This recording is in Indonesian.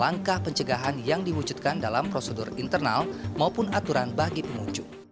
langkah pencegahan yang diwujudkan dalam prosedur internal maupun aturan bagi pengunjung